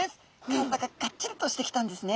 体ががっちりとしてきたんですね。